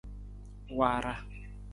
Waara.